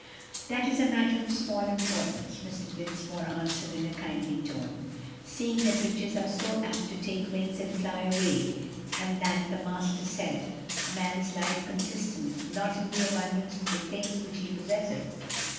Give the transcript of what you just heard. "That is a matter of small importance," Mr. Dinsmore answered in a kindly tone, "seeing that riches are so apt to take wings and fly away, and that the Master said, 'A man's life consisteth not in the abundance of the things which he possesseth.'